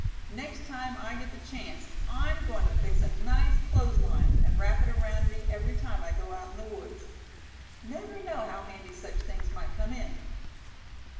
Next time I get the chance I'm goin' to fix a nice clothes line, and wrap it around me every time I go out in the woods. Never know how handy such things might come in.